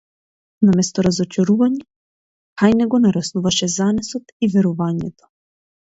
Наместо разочарување, кај него нараснуваше занесот и верувањето.